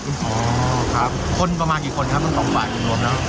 อ๋อครับคนประมาณกี่คนครับตรงสองฝั่งอยู่รวมนะครับ